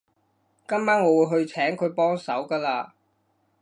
今晚我會去請佢幫手㗎喇